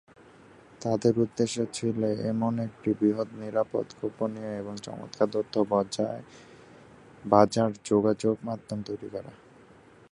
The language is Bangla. তাদের উদ্দেশ্য ছিল এমন একটি বৃহৎ নিরাপদ, গোপনীয় এবং চমৎকার তথ্য বাজার যোগাযোগ মাধ্যম তৈরি করা।